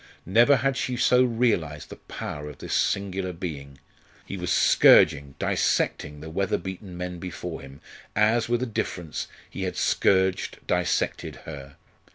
Never had she so realised the power of this singular being. He was scourging, dissecting, the weather beaten men before him, as, with a difference, he had scourged, dissected her.